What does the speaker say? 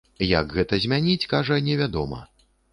Як гэта змяніць, кажа, не вядома.